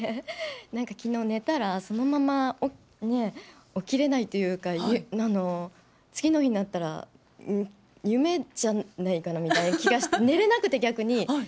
なんかきのう、寝たらそのまま起きれないというか、次の日になったら、夢じゃないかなみたいな気がして、寝れなくて、逆に。